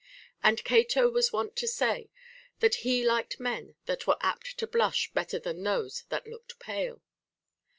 And Cato was wont to say that he liked men that were apt to blush better than those that looked pale.